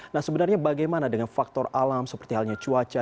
nah sebenarnya bagaimana dengan faktor alam seperti halnya cuaca